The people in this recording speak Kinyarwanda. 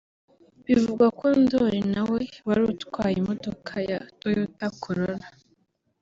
Bivugwa ko Ndoli na we wari utwaye imodoka ya Toyota Corolla